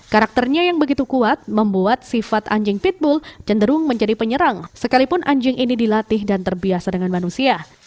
karakternya yang begitu kuat membuat sifat anjing pitbull cenderung menjadi penyerang sekalipun anjing ini dilatih dan terbiasa dengan manusia